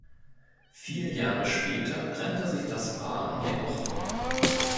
Vier Jahre später trennte sich das Paar jedoch.